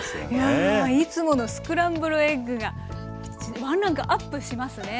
いやいつものスクランブルエッグがワンランクアップしますね。